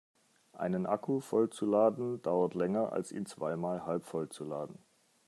Einen Akku voll zu laden dauert länger als ihn zweimal halbvoll zu laden.